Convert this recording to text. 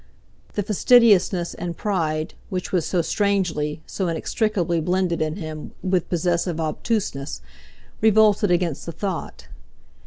The fastidiousness and pride which was so strangely, so inextricably blended in him with possessive obtuseness, revolted against the thought.